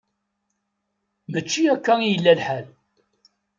Mačči akka i yella lḥal.